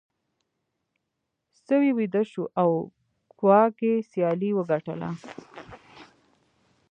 سوی ویده شو او کواګې سیالي وګټله.